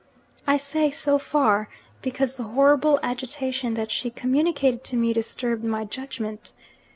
I say, "so far," because the horrible agitation that she communicated to me disturbed my judgment.